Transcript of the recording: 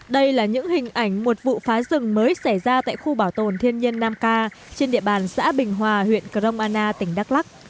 đây là những hình ảnh một vụ phá rừng mới xảy ra tại khu bảo tồn thiên nhiên năm k trên địa bàn xã bình hòa huyện crong anna tỉnh đắk lắc